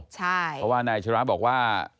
เพราะว่านายชะระบอกว่า